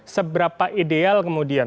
seberapa ideal kemudian